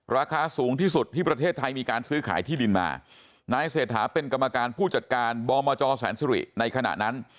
ราคาสูงที่สุดที่ประเทศไทยมีการซื้อขายที่ดินมานายเศรษฐาเป็นกรรมการผู้จัดการบมจแสนสุริในขณะนั้น